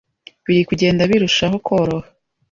biri kugenda birushaho koroha